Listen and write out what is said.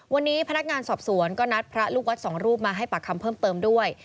วันนี้พนักงานสอบสวนก็นัดพระลูกวัดสองรูปมาให้ปากคำเพิ่มเติมด้วย